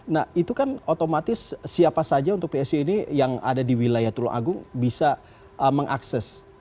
nah itu kan otomatis siapa saja untuk psu ini yang ada di wilayah tulung agung bisa mengakses